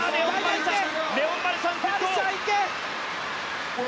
レオン・マルシャン先頭。